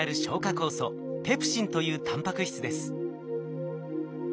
酵素ペプシンというタンパク質です。